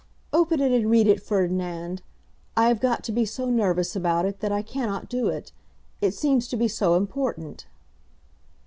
"Open it and read it, Ferdinand. I have got to be so nervous about it, that I cannot do it. It seems to be so important."